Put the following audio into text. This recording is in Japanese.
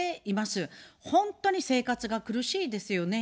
本当に生活が苦しいですよね。